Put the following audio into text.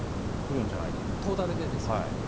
ミリトータルでですよね。